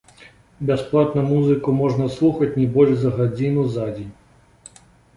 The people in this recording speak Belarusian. Бясплатна музыку можна слухаць не больш за гадзіну за дзень.